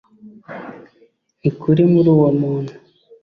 Ntikuri muri uwo muntu